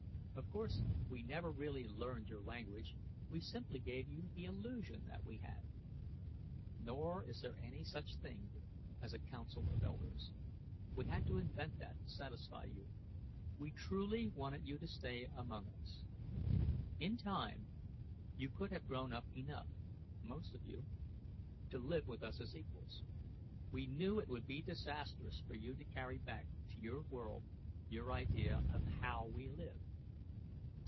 Of course, we never really learned your language; we simply gave you the illusion that we had. Nor is there any such thing as a council of elders; we had to invent that to satisfy you. We truly wanted you to stay among us. In time you could have grown up enough most of you to live with us as equals. We knew it would be disastrous for you to carry back to your world your idea of how we live.